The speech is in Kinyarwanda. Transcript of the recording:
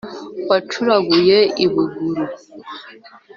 wacuranguye i buguru